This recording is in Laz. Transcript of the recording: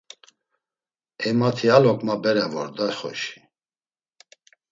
E mati a loǩma bere vor da xoşi.